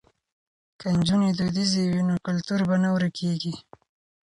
که نجونې دودیزې وي نو کلتور به نه ورکيږي.